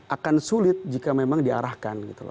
akan sulit jika memang diarahkan gitu loh